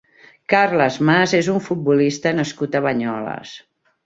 Carles Mas és un futbolista nascut a Banyoles.